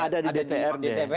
ada di dprd